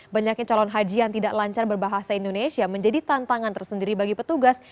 banyaknya calon haji yang tidak lancar berbahasa indonesia menjadi tantangan tersendiri bagi petugas